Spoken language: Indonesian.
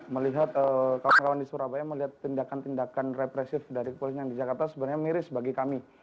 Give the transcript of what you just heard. melihat kawan kawan di surabaya melihat tindakan tindakan represif dari kepolisian di jakarta sebenarnya miris bagi kami